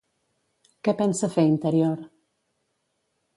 Què pensa fer Interior?